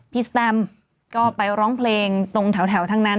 สแตมก็ไปร้องเพลงตรงแถวทั้งนั้น